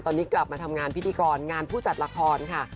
ตอนนี้กลับมาทำงานพิธีกรงานผู้จัดละครค่ะ